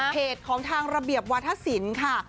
เพจของทางระเบียบวาธศิลป์ค่ะ